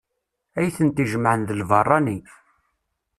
Ay tent-ijemεen d lbeṛṛani.